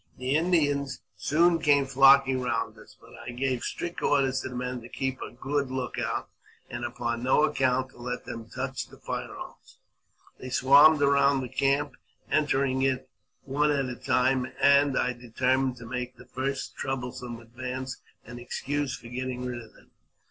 The Indians soon came flocking round us, but I gave strict orders to the men to keep a good look out, and upon no account to let them touch the fire arms. They swarmed round the camp, entering it one at a time, and I determined to make the first troublesome advance an excuse for getting rid of them.